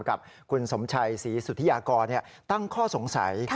กับคุณสมชัยศรีสุธิยากรตั้งข้อสงสัย